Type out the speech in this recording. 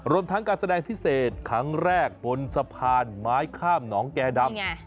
ทั้งการแสดงพิเศษครั้งแรกบนสะพานไม้ข้ามหนองแก่ดำ